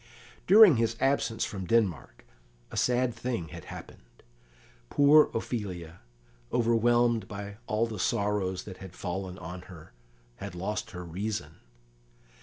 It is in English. During his absence from Denmark a sad thing had happened. Poor Ophelia, overwhelmed by all the sorrows that had fallen on her, had lost her reason.